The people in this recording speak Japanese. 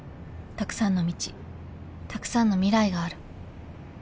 たくさんの道たくさんの未来がある